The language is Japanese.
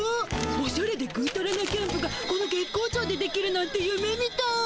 おしゃれでぐーたらなキャンプがこの月光町でできるなんてゆめみたい。